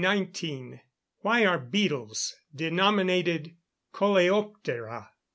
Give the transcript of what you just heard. _Why are beetles denominated "coleoptera?"